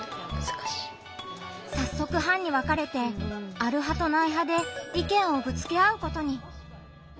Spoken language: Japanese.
さっそく班に分かれて「ある派」と「ない派」で意見をぶつけ合うことに。